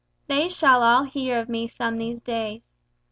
They shall all hear of me some of these days.